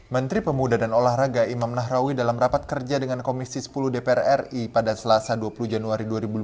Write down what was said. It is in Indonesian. menteri pemuda dan olahraga imam nahrawi dalam rapat kerja dengan komisi sepuluh dpr ri pada selasa dua puluh januari dua ribu dua puluh